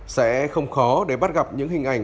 sẽ không khó để bắt gặp những hình ảnh